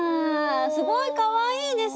すごいかわいいですね！